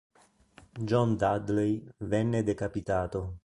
John Dudley venne decapitato.